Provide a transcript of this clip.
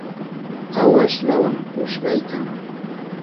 awash lawam pushqaykan.